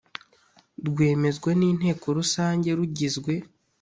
Rwemezwa n inteko rusange rugizwe